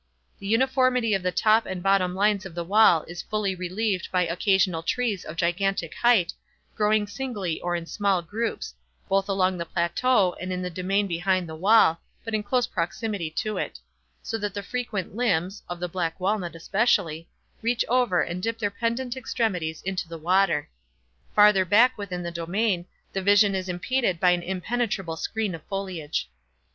The uniformity of the top and bottom lines of the wall is fully relieved by occasional trees of gigantic height, growing singly or in small groups, both along the plateau and in the domain behind the wall, but in close proximity to it; so that frequent limbs (of the black walnut especially) reach over and dip their pendent extremities into the water. Farther back within the domain, the vision is impeded by an impenetrable screen of foliage.